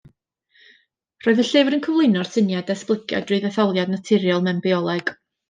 Roedd y llyfr yn cyflwyno'r syniad o esblygiad drwy ddetholiad naturiol mewn bioleg.